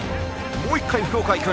もう一回福岡行く。